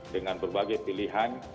dengan berbagai pilihan